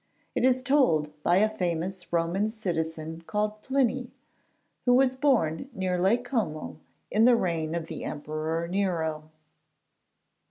It is told by a famous Roman citizen called Pliny, who was born near Lake Como in the reign of the Emperor Nero.